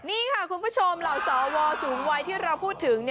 นี่ค่ะคุณผู้ชมเหล่าสวสูงวัยที่เราพูดถึง